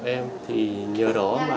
em nhờ đó